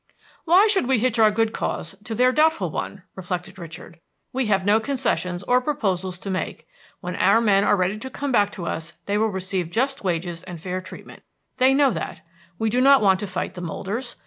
"Why should we hitch our good cause to their doubtful one?" reflected Richard. "We have no concessions or proposals to make. When our men are ready to come back to us, they will receive just wages and fair treatment. They know that. We do not want to fight the molders.